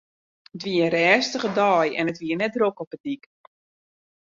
It wie in rêstige dei en it wie net drok op 'e dyk.